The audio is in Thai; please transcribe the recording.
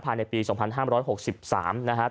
ภายในปี๒๕๖๓นะครับ